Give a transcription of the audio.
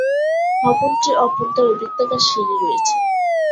ভবনটির অভ্যন্তরে বৃত্তাকার সিঁড়ি রয়েছে।